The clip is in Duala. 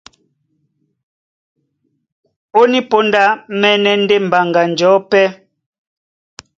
Ó ní póndá mɛ́nɛ́ ndé mbaŋga njɔ̌ pɛ́,